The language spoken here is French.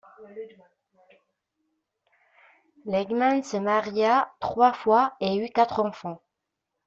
Legman se maria trois fois et eut quatre enfants.